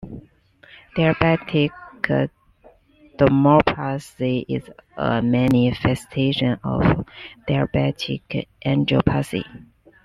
"Diabetic dermopathy" is a manifestation of diabetic angiopathy.